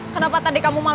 kenapa tadi kamu malan